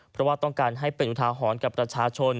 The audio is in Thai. เพราะว่าต้องการให้เป็นอุทาหรณ์กับประชาชน